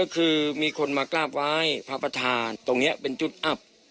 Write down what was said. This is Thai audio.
คือมีคนมากราบไหว้พระประธานตรงนี้เป็นจุดอับ